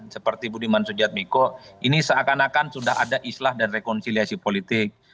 seperti budiman sujadmiko ini seakan akan sudah ada islah dan rekonsiliasi politik